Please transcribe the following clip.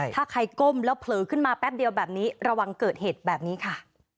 ถ้าใครก้มแล้วเผลอขึ้นมาแป๊บเดียวแบบนี้ระวังเกิดเหตุแบบนี้ค่ะ